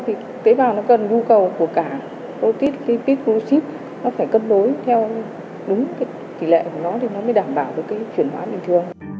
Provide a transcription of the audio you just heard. thì tế bào nó cần nhu cầu của cả otidit poshi nó phải cân đối theo đúng cái tỷ lệ của nó thì nó mới đảm bảo được cái chuyển hóa bình thường